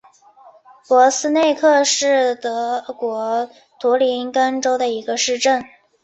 珀斯内克是德国图林根州的一个市镇。